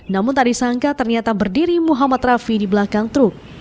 namun tak disangka ternyata berdiri muhammad rafi di belakang truk